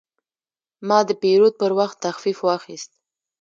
ما د پیرود پر وخت تخفیف واخیست.